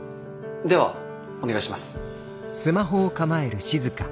ではお願いします。